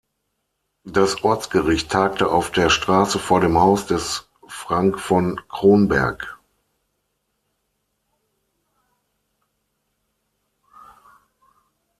Das Ortsgericht tagte auf der Straße vor dem Haus des Frank von Kronberg.